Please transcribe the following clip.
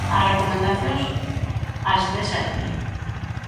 As recomendacións, as de sempre.